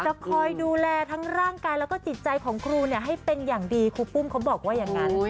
จะคอยดูแลทั้งร่างกายแล้วก็จิตใจของครูให้เป็นอย่างดีครูปุ้มเขาบอกว่าอย่างนั้น